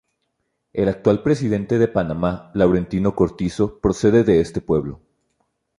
El actual presidente de Panamá, Laurentino Cortizo, procede de este pueblo.